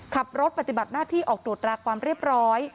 ขับรถปฏิบัติหน้าที่ออกโดดรากความเรียบร้อย